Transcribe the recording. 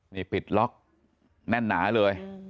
นี่ปิดล็อกแน่นหนาเลย